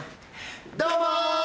どうも。